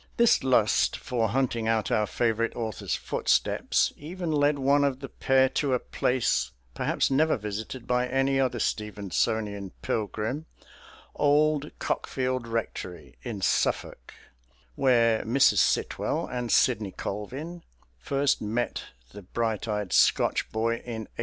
This lust for hunting out our favourite author's footsteps even led one of the pair to a place perhaps never visited by any other Stevensonian pilgrim old Cockfield Rectory, in Suffolk, where Mrs. Sitwell and Sidney Colvin first met the bright eyed Scotch boy in 1873.